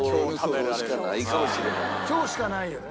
今日しかないよね。